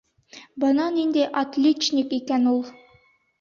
Бына ниндәй «отличник» икән ул!..